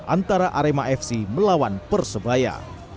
antara arema fc melawan persebaya